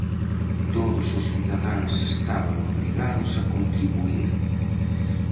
Todos os cidadáns estaban obrigados a contribuír.